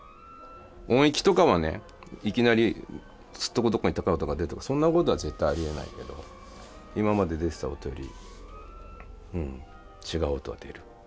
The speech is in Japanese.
音域とかはねいきなりすっとこどっこいに高い音が出るとかそんなことは絶対ありえないけど今まで出てた音よりうん違う音は出る。